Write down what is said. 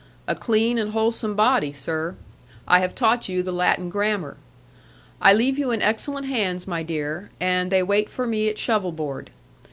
A clean and wholesome body, sir; I have taught you the Latin grammar. I leave you in excellent hands, my dear, and they wait for me at shovel board.